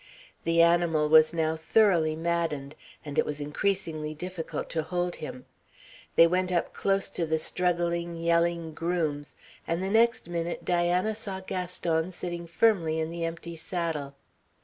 The animal was now thoroughly maddened, and it was increasingly difficult to hold him. They went up close to the struggling, yelling grooms, and the next minute Diana saw Gaston sitting firmly in the empty saddle.